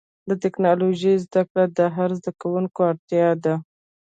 د ټکنالوجۍ زدهکړه د هر زدهکوونکي اړتیا ده.